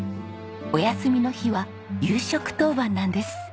お休みの日は夕食当番なんです。